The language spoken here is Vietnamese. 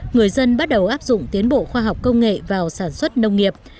người dân bắt đầu áp dụng tiến bộ khoa học công nghệ vào sản xuất nông nghiệp